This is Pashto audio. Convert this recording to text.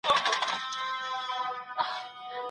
د کمپیوټر ساینس پوهنځۍ په خپلواکه توګه نه اداره کیږي.